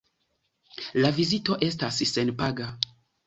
La vizito estas senpaga.